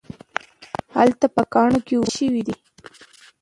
هلته په کاڼو کې اوبه شوي دي